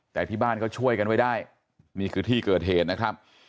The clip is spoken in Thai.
แต่ที่บ้านก็ช่วยกันไว้ได้นี่คือที่เกิดเหตุนะครับ